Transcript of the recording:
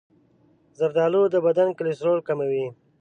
زردآلو د بدن کلسترول کموي.